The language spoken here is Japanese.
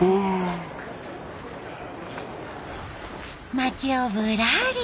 町をぶらり。